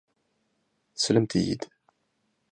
Teslamt-iyi-d.